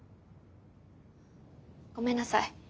ごめんなさい。